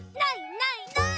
ない！ない！」